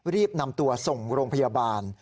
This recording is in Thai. รีบนำตัวส่งโรงพยาบาล